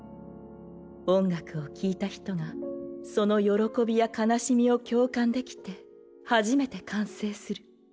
音楽を聴いた人がその喜びや悲しみを共感できて初めて完成する。